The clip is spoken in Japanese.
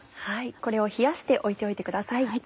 これを冷やして置いておいてください。